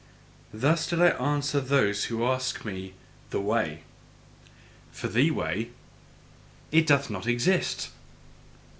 Thus did I answer those who asked me "the way." For THE way it doth not exist!